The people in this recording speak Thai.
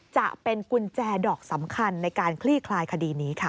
จะเป็นกุญแจดอกสำคัญในการคลี่คลายคดีนี้ค่ะ